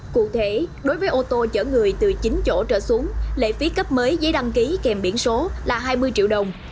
cụ thể đối với ô tô chở người từ chín chỗ trở xuống lệ phí cấp mới giấy đăng ký kèm biển số là hai mươi triệu đồng